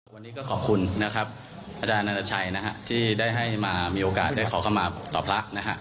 วันนี้ก็ขอบคุณอาจารย์อนันตชัยที่ได้ให้มามีโอกาสขอคำมาต่อพระ